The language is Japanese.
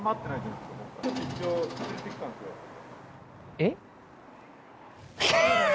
えっ？